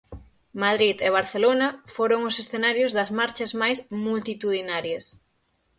Madrid e Barcelona foron os escenarios das marchas máis multitudinarias.